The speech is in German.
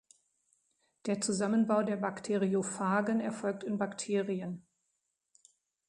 Der Zusammenbau der Bakteriophagen erfolgt in Bakterien.